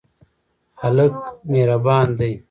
هلک مهربان دی.